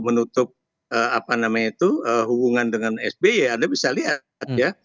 menutup hubungan dengan sby anda bisa lihat ya